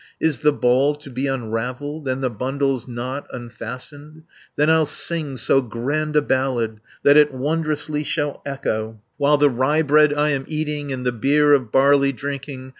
Is the ball to be unravelled, And the bundle's knot unfastened? 90 Then I'll sing so grand a ballad, That it wondrously shall echo, While the ryebread I am eating, And the beer of barley drinking.